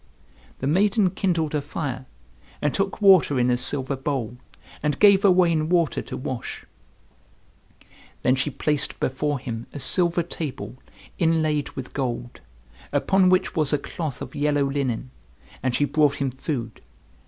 The maiden kindled a fire, and took water in a silver bowl, and gave Owain water to wash. Then she placed before him a silver table, inlaid with gold; upon which was a cloth of yellow linen, and she brought him food.